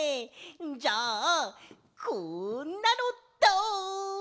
じゃあこんなのどう！？